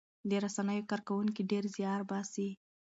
د رسنیو کارکوونکي ډېر زیار باسي.